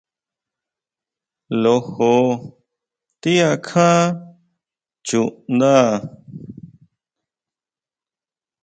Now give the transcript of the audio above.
Lojo ti akjan chundá?